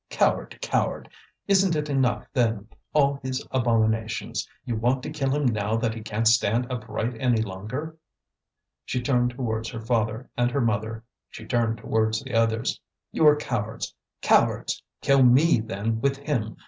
coward! coward! Isn't it enough, then, all these abominations? You want to kill him now that he can't stand upright any longer!" She turned towards her father and her mother; she turned towards the others. "You are cowards! cowards! Kill me, then, with him!